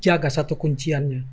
jaga satu kunciannya